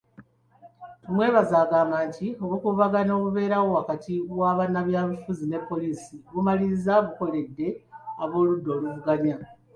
Tumwebaze agamba nti obukuubagano obubeerawo wakati wa bannabyabufuzi ne poliisi bumaliriza bukoledde ab'oludda oluvuganya.